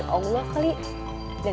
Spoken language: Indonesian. tidak bisa dumbbell itu hasan